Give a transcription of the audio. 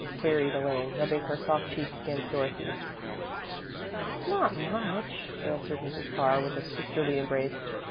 queried Elaine, rubbing her soft cheek against Dorothy's. "Not much," answered Mrs. Carr, with a sisterly embrace.